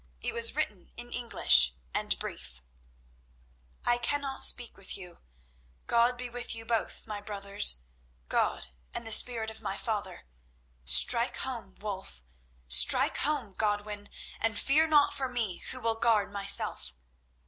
It was written in English, and brief: "I cannot speak with you. God be with you both, my brothers, God and the spirit of my father. Strike home, Wulf, strike home, Godwin, and fear not for me who will guard myself.